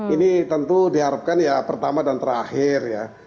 ini tentu diharapkan ya pertama dan terakhir ya